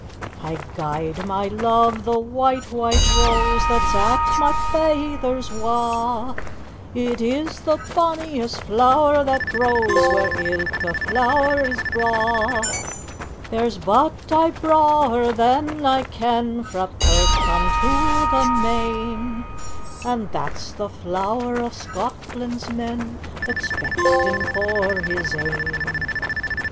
"I gie'd my love the white, white rose That's at my feyther's wa', It is the bonniest flower that grows Where ilka flower is braw; There's but ae brawer that I ken Frae Perth unto the main, And that's the flower o' Scotland's men That's fechtin' for his ain.